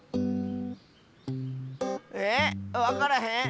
えっわからへん？